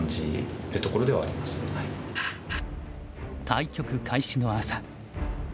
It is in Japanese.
対局開始の朝。